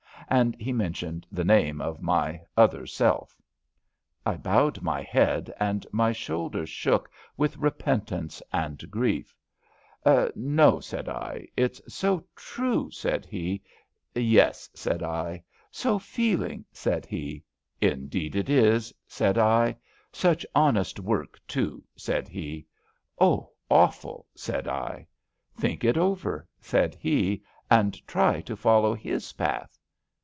'' And he mentioned the name of my Other Self. I bowed my head, and my shoulders shook with repentance and grief. ^'No,^^8aidL ^ at ^s so true,' ^ said he. Yes,^^ said I. So feeling,'^ said he. Indeed it is,'^ said L Such honest work, too I '' said he. Oh, awfull '* said I. Think it over,'* said he, " and try to follow his path.'